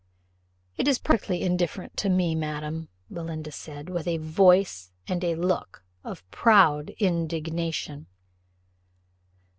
"It is perfectly indifferent to me, madam," Belinda said, with a voice and look of proud indignation.